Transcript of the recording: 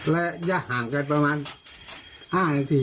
ระยะห่างกันประมาณ๕นาที